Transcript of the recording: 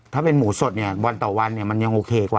ถ้าเป็นหมูสดเนี่ยวันต่อวันเนี่ยมันยังโอเคกว่า